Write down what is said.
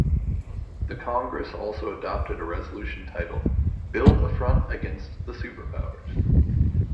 The congress also adopted a resolution titled 'Build a front against the Super Powers'.